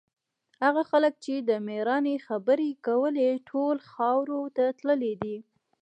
هغه خلک چې د مېړانې خبرې یې کولې، ټول خاورو ته تللي دي.